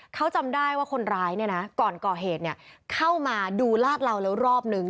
เขาจำได้ว่าคนร้ายก่อนเกาะเหตุเข้ามาดูลากเราแล้วรอบนึง